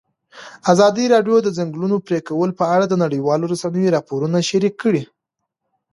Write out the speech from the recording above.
ازادي راډیو د د ځنګلونو پرېکول په اړه د نړیوالو رسنیو راپورونه شریک کړي.